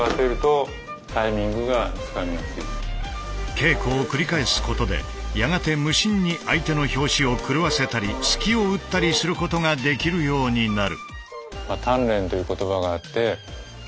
稽古を繰り返すことでやがて無心に相手の拍子を狂わせたり隙を打ったりすることができるようになる。